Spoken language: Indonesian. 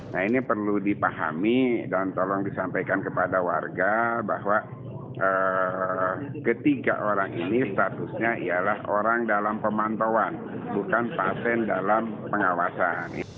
nah ini perlu dipahami dan tolong disampaikan kepada warga bahwa ketiga orang ini statusnya ialah orang dalam pemantauan bukan pasien dalam pengawasan